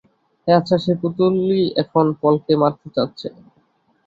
হ্যাঁ, আচ্ছা, সেই পুতুলই এখন পল কে মারতে যাচ্ছে!